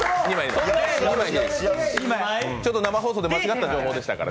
生放送で間違った情報でしたから。